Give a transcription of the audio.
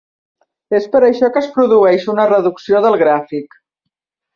És per això que es produeix una reducció del gràfic.